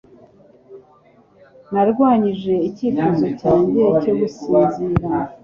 Narwanyije icyifuzo cyanjye cyo gusinzira